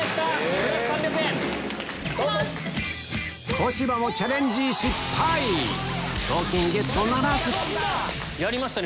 小芝もチャレンジ賞金ゲットならずやりましたね